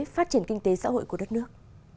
phát triển kinh tế xã hội của đất nước